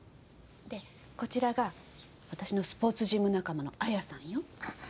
でこちらが私のスポーツジム仲間のアヤさんよ。